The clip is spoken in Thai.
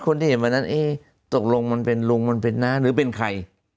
ที่เห็นวันนั้นเอ๊ะตกลงมันเป็นลุงมันเป็นน้าหรือเป็นใคร